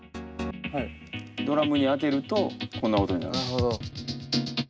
ドラムに当てるとこんな音になるんです。